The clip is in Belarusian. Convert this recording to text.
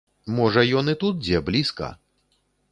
Можа ён і тут дзе, блізка!